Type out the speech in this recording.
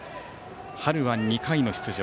春は２回の出場。